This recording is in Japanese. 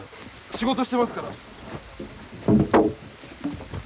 仕事してますから。